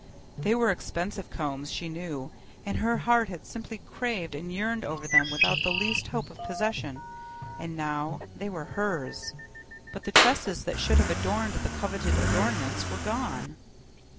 They were expensive combs, she knew, and her heart had simply craved and yearned over them without the least hope of possession. And now, they were hers, but the tresses that should have adorned the coveted adornments were gone.